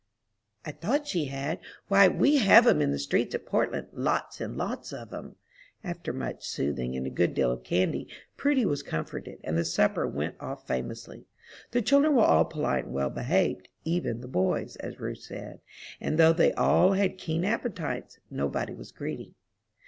"I thought she had; why, we have 'em in the streets at Portland, lots and lots of 'em." After much soothing, and a good deal of candy, Prudy was comforted, and the supper went off famously. The children were all polite and well behaved, "even the boys," as Ruth said; and though they all had keen appetites, nobody was greedy.